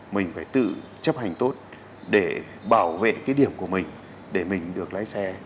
mình phải tự chấp hành tốt để bảo vệ cái điểm của mình để mình được lái xe